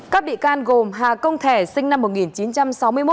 các bị can gồm hà công thẻ sinh năm một nghìn chín trăm sáu mươi một